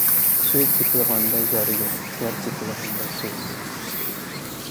سۆز تېپىلغاندا يار يوق، يار تېپىلغاندا سۆز.